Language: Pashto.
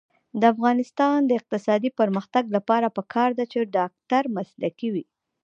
د افغانستان د اقتصادي پرمختګ لپاره پکار ده چې ډاکټر مسلکي وي.